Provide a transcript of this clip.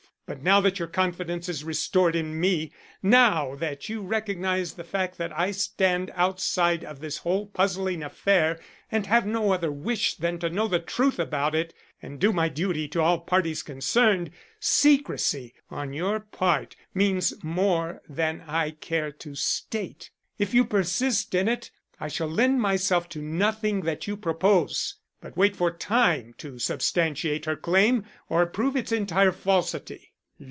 But now that your confidence is restored in me, now that you recognize the fact that I stand outside of this whole puzzling affair and have no other wish than to know the truth about it and do my duty to all parties concerned, secrecy on your part means more than I care to state. If you persist in it I shall lend myself to nothing that you propose, but wait for time to substantiate her claim or prove its entire falsity."